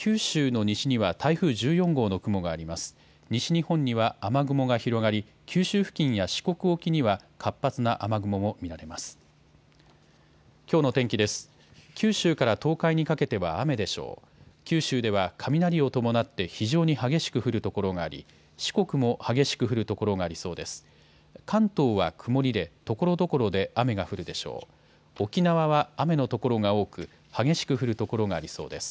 九州では雷を伴って非常に激しく降る所があり四国も激しく降る所がありそうです。